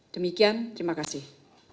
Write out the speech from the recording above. demikian terima kasih